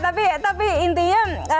gak apa apa tapi intinya